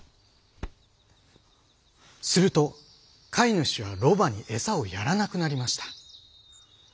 すると飼い主はロバに餌をやらなくなりました。